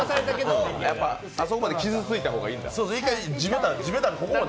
あそこまで傷ついた方がいいんだ。